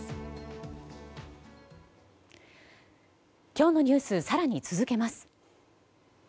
今日のニュース更に続けます。